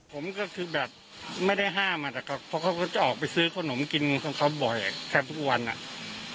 ผมก็คือแบบไม่ได้ห้ามอ่ะนะครับเพราะเขาก็จะออกไปซื้อขนมกินของเขาบ่อยแทบทุกวันอ่ะ